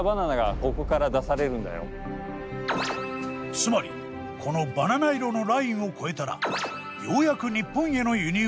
つまりこのバナナ色のラインを越えたらようやく日本への輸入が完了となるんです。